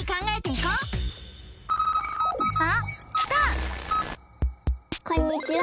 こんにちは！